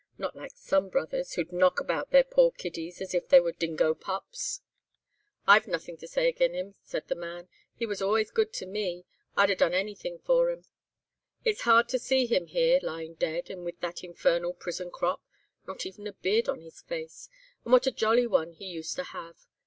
Not like some brothers, who'd knock about the poor kiddies as if they were dingo pups.' "'I've nothing to say agen him,' said the man, 'he was always good to me, I'd 'a done anything for him. It's hard to see him here lying dead, and with that infernal prison crop, not even a beard on his face, and what a jolly one he used to have.